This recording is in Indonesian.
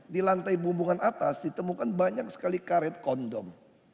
di lantai bumbungan atas ditemukan banyak sekali karet kondom